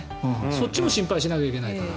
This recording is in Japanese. そっちも心配しなきゃいけないから。